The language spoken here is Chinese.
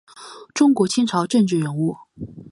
中国清朝政治人物。